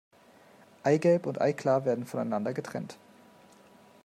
Eigelb und Eiklar werden voneinander getrennt.